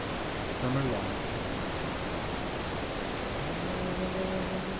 81 SUMMER LONGINGS. Ah